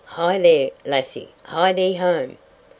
"Hie thee, Lassie, hie thee home!"